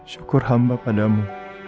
syukur hamba padamu